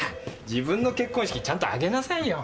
自分の結婚式ちゃんと挙げなさいよ。